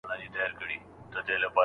ځيني خلک د زامنو په زيږيدلو زيات خوښيږي.